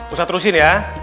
ustadz terusin ya